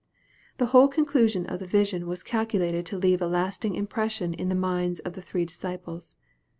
The whole conclusion of the vision was calculated to leave a lasting impression on the minds of the three dis ciples.